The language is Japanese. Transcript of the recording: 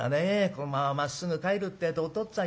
このまままっすぐ帰るってえとおとっつぁん喜ぶよ。